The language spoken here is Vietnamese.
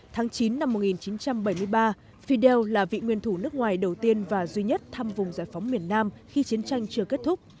tháng chín năm một nghìn chín trăm bảy mươi ba fidel là vị nguyên thủ nước ngoài đầu tiên và duy nhất thăm vùng giải phóng miền nam khi chiến tranh chưa kết thúc